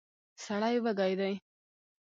سړی وږی دی.